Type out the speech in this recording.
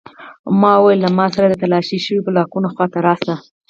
ما وویل له ما سره د تالاشي شویو بلاکونو خواته راشئ